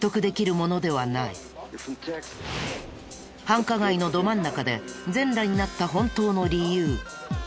繁華街のど真ん中で全裸になった本当の理由。